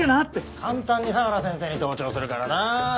簡単に相良先生に同調するからな瀬戸先生は。